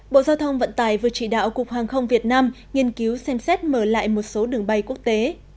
bộ giao thông vận tải vừa chỉ đạo cục hàng không việt nam nghiên cứu xem xét mở lại một số đường bay quốc tế